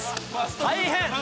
大変。